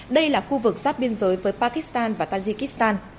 đây là khu vực giáp biên giới với pakistan và tajikistan